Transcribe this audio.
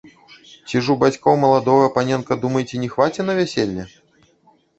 Ці ж у бацькоў маладога, паненка, думаеце, не хваце на вяселле?